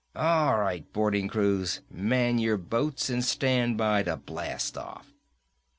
All right, boarding crews! Man your boats and stand by to blast off!"